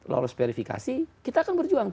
lolos verifikasi kita akan berjuang